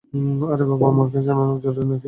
আরে, বাবা-মাকে জানানো জরুরী নাকি!